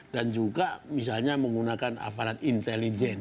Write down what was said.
dan juga misalnya menggunakan aparat intelijen